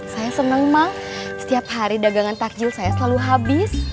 saya senang bang setiap hari dagangan takjil saya selalu habis